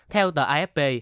theo tờ afp